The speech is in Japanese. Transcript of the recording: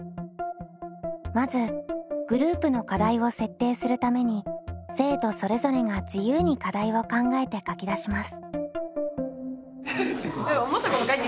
まずグループの課題を設定するために生徒それぞれが自由に課題を考えて書き出します。